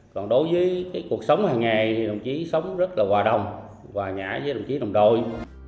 trong cuộc sống hàng ngày đồng chí sống rất là hòa đồng hòa nhã với đồng chí đồng đội